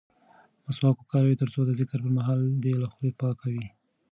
مسواک وکاروه ترڅو د ذکر پر مهال دې خوله پاکه وي.